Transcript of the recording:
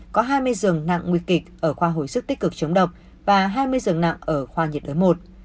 có hai mươi dường nặng nguy kịch ở khoa hồi sức tích cực chống độc và hai mươi dường nặng ở khoa nhiệt ớt một